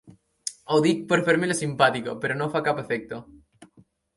Ho dic per fer-me la simpàtica, però no fa cap efecte.